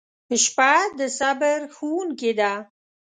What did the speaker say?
• شپه د صبر ښوونکې ده.